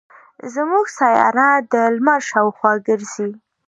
زمونږ سیاره د لمر شاوخوا ګرځي.